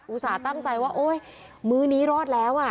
อุตส่าห์ตั้งใจว่าโอ๊ยมื้อนี้รอดแล้ว